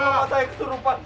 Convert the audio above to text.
bapak saya kesurupan